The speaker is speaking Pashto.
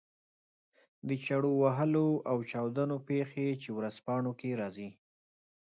د چړو وهلو او چاودنو پېښې چې ورځپاڼو کې راځي.